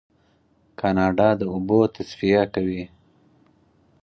کاناډا د اوبو تصفیه کوي.